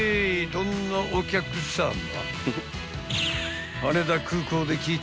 どんなお客さま？］